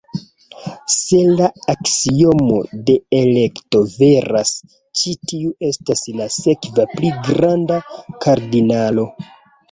Se la aksiomo de elekto veras, ĉi tiu estas la sekva pli granda kardinalo.